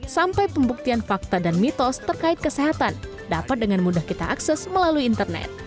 sampai pembuktian fakta dan mitos terkait kesehatan dapat dengan mudah kita akses melalui internet